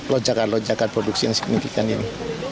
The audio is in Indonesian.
lojakan lojakan produksi yang signifikan ini